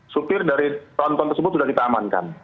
supir dari tonton tersebut sudah kita amankan